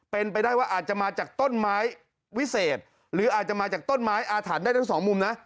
เป็นไปได้ว่าอาจจะมาจากต้นไม้วิเศษหรืออาจจะมาจากต้นไม้อาถรรพ์ได้ทั้งสองมุมนะ